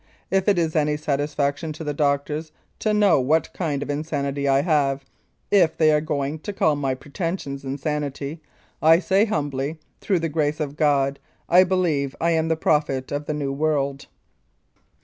If it is any satisfaction to the doctors to know what kind of insanity I have, if they are going to call my pretensions insanity, I say humbly, through the grace of God, I believe I am the prophet of the New World."